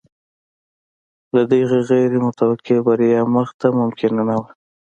له دغې غیر متوقع بریا مخکې ممکنه نه وه.